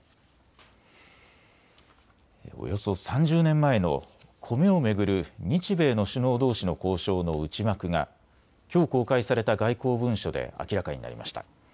およそ３０年前のコメを巡る日米の首脳どうしの交渉の内幕がきょう公開された外交文書で明らかになりました。